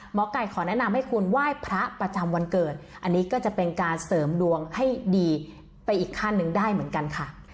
หมอไก่ขอแนะนำให้คุณไหว้พระประจำวันเกิดอันนี้ก็จะเป็นการเสริมดวงให้ดีไปอีกขั้นหนึ่งได้เหมือนกันค่ะ